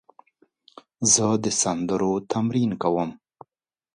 زه د سندرو تمرین کوم.